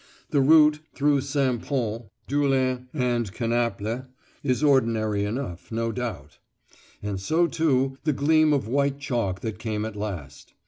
The route, through St. Pol, Doullens, and Canaples, is ordinary enough, no doubt; and so, too, the gleam of white chalk that came at last.